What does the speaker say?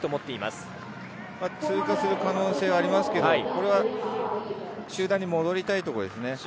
通過する可能性はありますけれど、集団に戻りたいところですね。